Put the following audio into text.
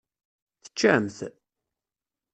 Teččam-t?